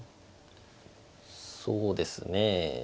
そうですね